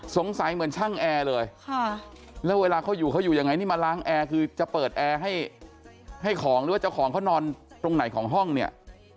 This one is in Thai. เหมือนช่างแอร์เลยแล้วเวลาเขาอยู่เขาอยู่ยังไงนี่มาล้างแอร์คือจะเปิดแอร์ให้ของหรือว่าเจ้าของเขานอนตรงไหนของห้องเนี่ย